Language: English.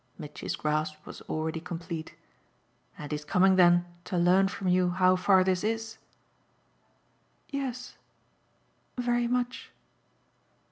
Mitchy's grasp was already complete. "And he's coming then to learn from you how far this is?" "Yes very much."